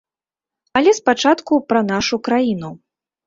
Але спачатку пра нашу краіну.